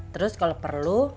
terus kalau perlu